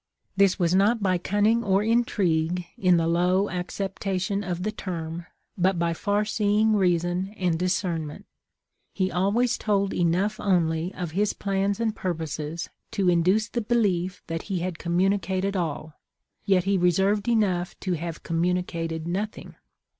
This was not by cunning or intrigue, in the low acceptation of the term, but by far seeing reason and discernment. He always told enough only of his plans and purposes to induce the belief that he had communicated all, yet he reserved enough to have communicated nothing.